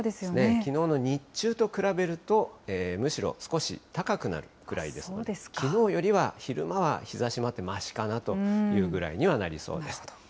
きのうの日中と比べると、むしろ少し高くなるくらいですので、きのうよりは、昼間は日ざしもあってましかなというぐらいにはなりそうです。